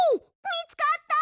みつかった！？